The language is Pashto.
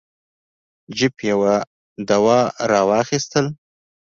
جیف یوه دوا را واخیستله.